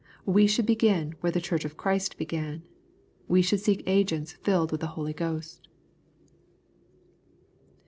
We should begin where the Chorch of Christ began. We should seek agents filled with the Holy Ghost.